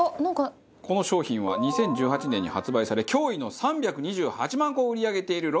この商品は２０１８年に発売され驚異の３２８万個を売り上げているロングセラー商品。